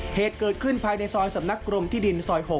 เหตุเกิดขึ้นภายในซอยสำนักกรมที่ดินซอย๖